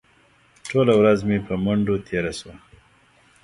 ټوله ورځ مې په منډو تېره شوه.